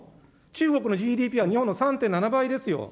中国のＧＤＰは日本の３．７倍ですよ。